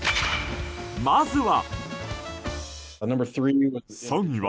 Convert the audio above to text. まずは。